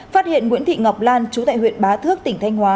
phát hiện nguyễn thị ngọc lan chú tại huyện bá thước tỉnh thanh hóa